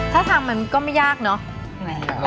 ถ้าทางมันก็ไม่ยากเนอะ